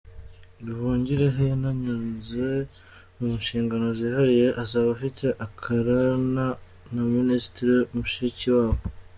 Nduhungirehe yananyuze mu nshingano zihariye azaba afite akorana na Minisitiri Mushikiwabo.